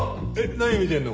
何見てるの？